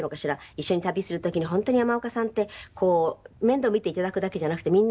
一緒に旅する時に本当に山岡さんって面倒見ていただくだけじゃなくてみんながね